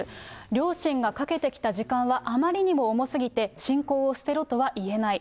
両親がかけてきた時間はあまりにも重すぎて、信仰を捨てろとは言えない。